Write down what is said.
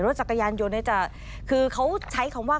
แต่คือเขาใช้คำว่า